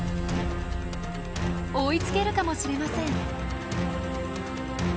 追いつけるかもしれません。